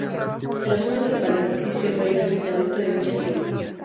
En la zona de Palenque existió el mayor asentamiento de dicha tribu.